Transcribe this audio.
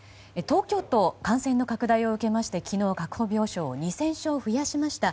東京都、感染の拡大を受けまして昨日、確保病床を２０００床増やしました。